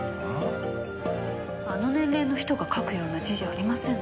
あの年齢の人が書くような字じゃありませんね。